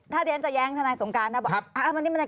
ถ้าเดี๋ยวฉันจะแย้งทนายสงการถ้าบอกครับอ่าอันนี้มันใน